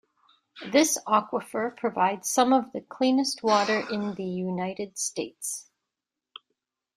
This aquifer provides some of the cleanest water in the United States.